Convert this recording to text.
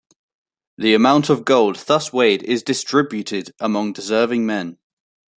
The amount of gold thus weighed is distributed among deserving men.